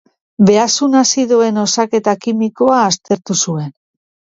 Behazun azidoen osaketa kimikoa aztertu zuen.